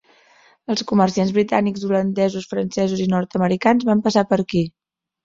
Els comerciants britànics, holandesos, francesos i nord-americans van passar per aquí.